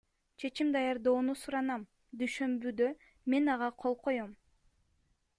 Чечим даярдоону суранам, дүйшөмбүдө мен ага кол коем.